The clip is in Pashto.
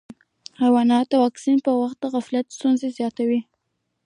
د حیواناتو د واکسین پر وخت غفلت ستونزې زیاتوي.